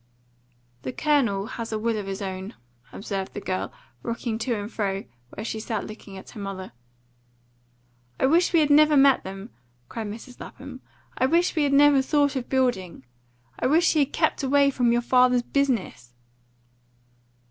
"The Colonel has a will of his own," observed the girl, rocking to and fro where she sat looking at her mother. "I wish we had never met them!" cried Mrs. Lapham. "I wish we had never thought of building! I wish he had kept away from your father's business!"